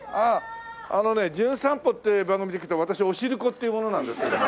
あのね『じゅん散歩』って番組で来た私おしるこっていう者なんですけども。